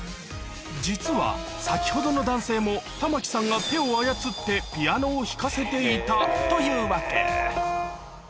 実は、先ほどの男性も、玉城さんが手を操ってピアノを弾かせていたというわけ。